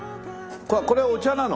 これはお茶なの？